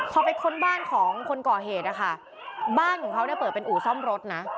พอไปค้นบ้านของคนก่อเหตุนะคะบ้านของเขาเนี่ยเปิดเป็นอู่ซ่อมรถนะ